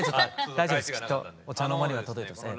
大丈夫きっとお茶の間には届いてます。